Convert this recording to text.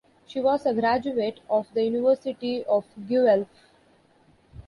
She was a graduate of the University of Guelph.